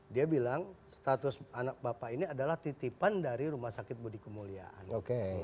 dia bilang status anak bapak ini adalah titipan dari rumah sakit budi kemuliaan